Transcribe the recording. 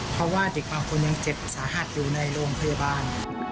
เพราะว่าเด็กบางคนยังเจ็บสาหัสอยู่ในโรงพยาบาล